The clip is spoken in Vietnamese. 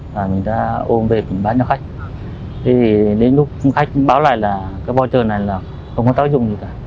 vô chờ này là không có tác dụng gì cả